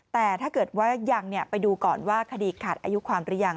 แต่ถ้าเกิดว่ายังไปดูก่อนว่าคดีขาดอายุความหรือยัง